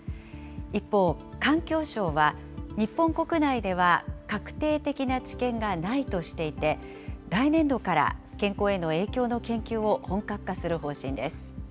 一方、環境省は、日本国内では確定的な知見がないとしていて、来年度から健康への影響の研究を本格化する方針です。